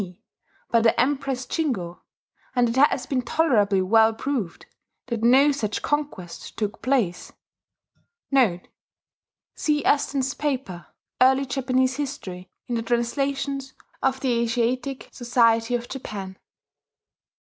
D., by the Empress Jingo; and it has been tolerably well proved that no such conquest took place.* [*See Aston's paper, Early Japanese History, in the translations of the Asiatic Society of Japan.